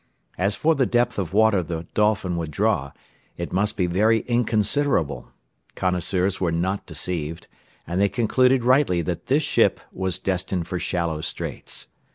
As for the depth of water the Dolphin would draw, it must be very inconsiderable; connoisseurs were not deceived, and they concluded rightly that this ship was destined for shallow straits.